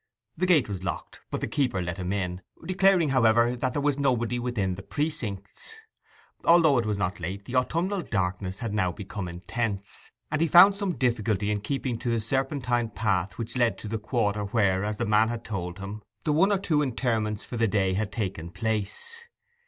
The gate was locked, but the keeper let him in, declaring, however, that there was nobody within the precincts. Although it was not late, the autumnal darkness had now become intense; and he found some difficulty in keeping to the serpentine path which led to the quarter where, as the man had told him, the one or two interments for the day had taken place.